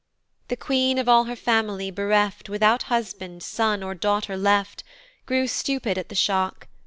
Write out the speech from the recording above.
* "The queen of all her family bereft, "Without or husband, son, or daughter left, "Grew stupid at the shock.